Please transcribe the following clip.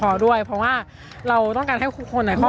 อย่างที่บอกไปว่าเรายังยึดในเรื่องของข้อเรียกร้อง๓ข้อ